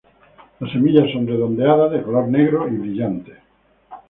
Las semillas son redondeadas, de color negro y brillantes.